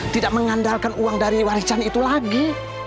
tidak mengandalkan uang dari warisan itu lagi